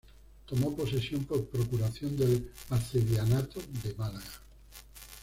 Tomó posesión por procuración del arcedianato de Málaga.